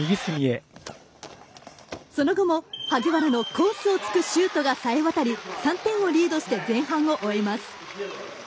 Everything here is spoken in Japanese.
その後も、萩原のコースをつくシュートがさえ渡り３点をリードして前半を終えます。